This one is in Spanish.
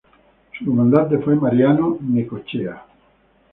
Su comandante fue Mariano Necochea.